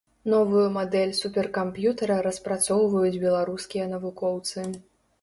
Новую мадэль суперкамп'ютара распрацоўваюць беларускія навукоўцы.